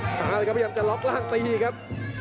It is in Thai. ประยามจะล็อกล่างตีครับ